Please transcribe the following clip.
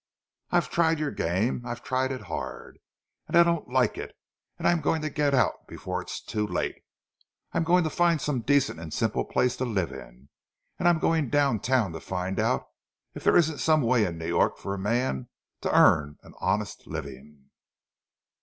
I've tried your game—I've tried it hard, and I don't like it; and I'm going to get out before it's too late. I'm going to find some decent and simple place to live in; and I'm going down town to find out if there isn't some way in New York for a man to earn an honest living!"